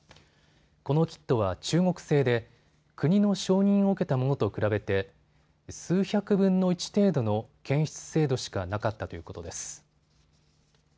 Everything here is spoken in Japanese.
このキットは中国製で国の承認を受けたものと比べて数百分の１程度の検出精度しかなかったということです。